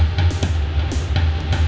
nggak akan saya berikan